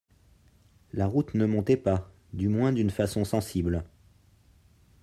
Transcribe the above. La route ne montait pas, du moins d’une façon sensible.